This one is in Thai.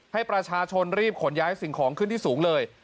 ให้ประชาชนรีบขนย้ายสิ่งของขึ้นที่สูงเลย